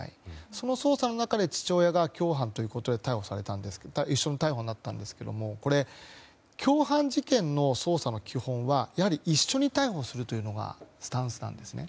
その捜査の中で父親が共犯ということで一緒に逮捕になったんですがこれ、共犯事件の捜査の基本は一緒に逮捕するということがスタンスなんですね。